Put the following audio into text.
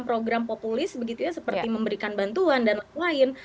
program populis begitu ya seperti memberikan bantuan dan lain lain